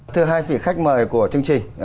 thưa hai vị khách mời của chương trình